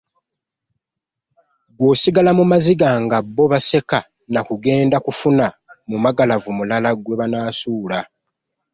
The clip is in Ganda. Gwe osigala mu maziga nga bo baseka na kugenda kufuna mumagalavu mulala gwe banaasuula.